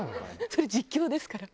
それ実況ですから。